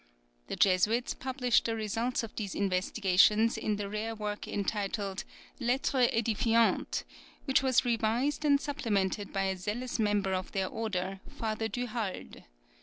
The Jesuits published the result of these investigations in the rare work entitled "Lettres Edifiantes," which was revised and supplemented by a zealous member of their order, Father Du Halde.